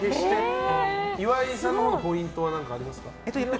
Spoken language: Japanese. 岩井さんのポイントは何かありますか？